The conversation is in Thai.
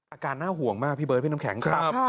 อาการน่าห่วงมากพี่เบิร์ดพี่น้ำแข็งครับ